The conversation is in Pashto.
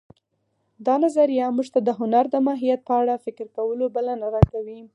دا نظریه موږ ته د هنر د ماهیت په اړه فکر کولو بلنه راکوي